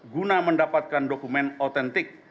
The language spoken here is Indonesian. guna mendapatkan dokumen otentik